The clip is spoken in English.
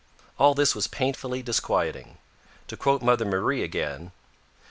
All this was painfully disquieting. To quote Mother Marie again: 'If M.